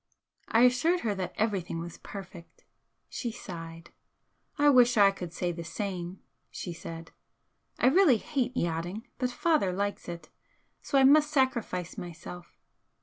I assured her that everything was perfect. She sighed. "I wish I could say the same!" she said "I really hate yachting, but father likes it, so I must sacrifice myself."